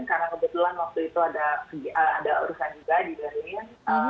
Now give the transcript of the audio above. karena kebetulan waktu itu ada urusan juga di berlin